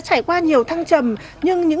trải qua nhiều thăng trầm nhưng những